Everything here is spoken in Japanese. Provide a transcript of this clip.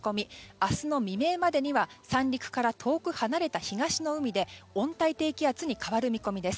明日の未明までには三陸から遠く離れた東の海で温帯低気圧に変わる見込みです。